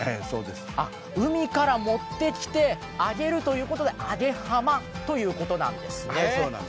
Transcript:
海から持ってきて揚げるということで揚げ浜なんですね。